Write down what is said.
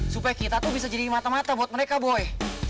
supaya kita tuh bisa jadi mata mata buat mereka boleh